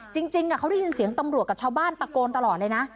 จริงเขาได้ยินเสียงตำรวจกับชาวบ้านตะโกนตลอดเลยนะ